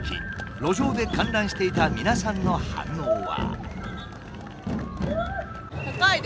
路上で観覧していた皆さんの反応は。